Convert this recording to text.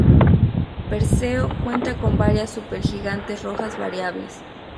Perseo cuenta con varias supergigantes rojas variables.